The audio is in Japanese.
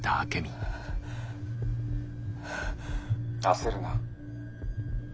「焦るな」。